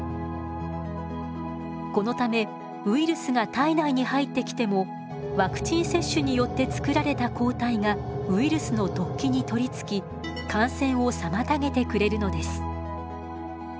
このためウイルスが体内に入ってきてもワクチン接種によってつくられた抗体がウイルスの突起に取りつき感染を妨げてくれるのです。